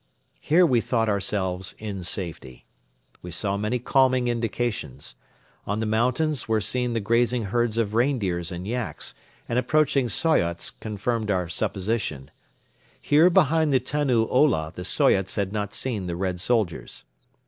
Here we thought ourselves in safety. We saw many calming indications. On the mountains were seen the grazing herds of reindeers and yaks and approaching Soyots confirmed our supposition. Here behind the Tannu Ola the Soyots had not seen the Red soldiers.